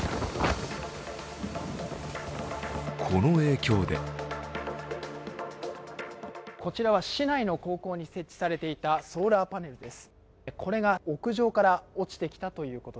この影響でこちらは市内の高校に設置されていたソーラーパネルです。